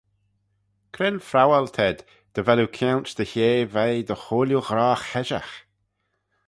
Cre'n phrowal t'ayd dy vel oo kianglt dy 'hea veih dy chooilley ghrogh heshaght?